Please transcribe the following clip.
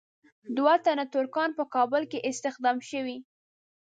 دوه تنه ترکان په کابل کې استخدام شوي.